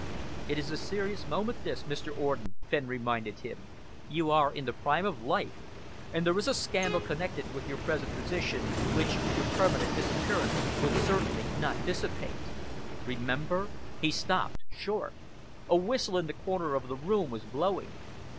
"It is a serious moment, this, Mr. Orden," Fenn reminded him. "You are in the prime of life, and there is a scandal connected with your present position which your permanent disappearance would certainly not dissipate. Remember " He stopped short. A whistle in the corner of the room was blowing.